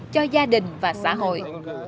cho gia đình và xã hội